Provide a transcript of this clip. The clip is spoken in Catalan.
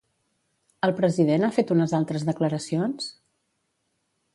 El president ha fet unes altres declaracions?